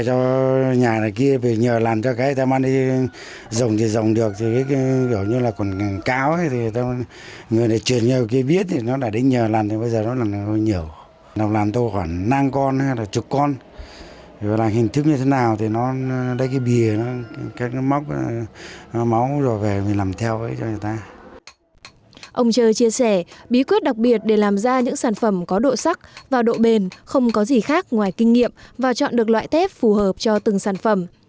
ông chơ chia sẻ bí quyết đặc biệt để làm ra những sản phẩm có độ sắc và độ bền không có gì khác ngoài kinh nghiệm và chọn được loại tép phù hợp cho từng sản phẩm